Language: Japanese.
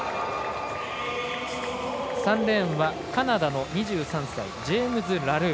３レーンはカナダの２３歳ジェームズ・ラルー。